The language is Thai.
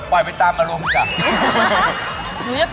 ปล่อยไปตามอารมณ์จักร